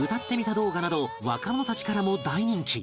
動画など若者たちからも大人気